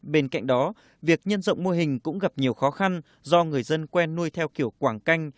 bên cạnh đó việc nhân rộng mô hình cũng gặp nhiều khó khăn do người dân quen nuôi theo kiểu quảng canh